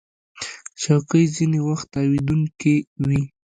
چوکۍ ځینې وخت تاوېدونکې وي.